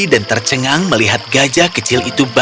dan tercengang melihat gajah kecil itu basah kuyuk